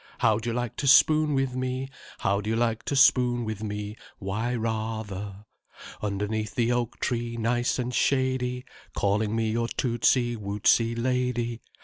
"How'd you like to spoon with me? How'd you like to spoon with me? (Why ra ther!) Underneath the oak tree nice and shady Calling me your tootsey wootsey lady?